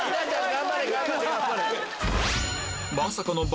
頑張れ頑張れ。